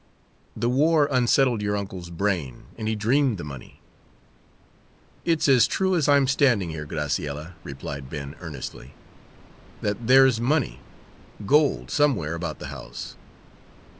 The war unsettled your uncle's brain, and he dreamed the money." "It's as true as I'm standing here, Graciella," replied Ben, earnestly, "that there's money gold somewhere about the house.